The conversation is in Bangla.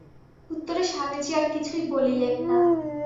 উত্তরে স্বামীজী আর কিছুই বলিলেন না।